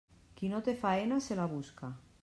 Qui no té faena, se la busca.